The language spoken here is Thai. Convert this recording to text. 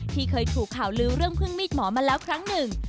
เคยถูกข่าวลือเรื่องพึ่งมีดหมอมาแล้วครั้งหนึ่ง